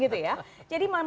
jadi manfaatkan momen momennya